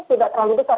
tidak terlalu besar